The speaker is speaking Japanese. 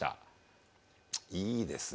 いいですね。